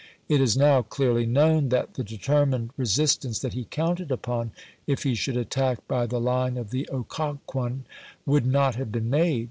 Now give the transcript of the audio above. It is now clearly known that the determined resistance that he counted upon, if he should attack by the line of the Occoquan, would not have been made.